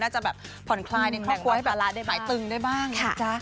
น่าจะแบบผ่อนคลายในแห่งวัตรภาระได้บ้างถ่ายตึงได้บ้าง